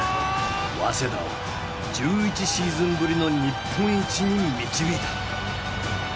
早稲田を１１シーズンぶりの日本一に導いた。